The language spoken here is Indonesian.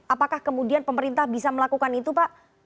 apakah kemudian pemerintah bisa melakukan itu pak